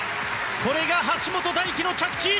これが橋本大輝の着地！